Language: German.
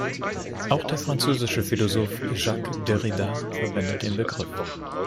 Auch der französische Philosoph Jacques Derrida verwendet den Begriff.